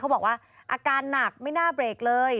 บอกว่าอาการหนักไม่น่าเบรกเลย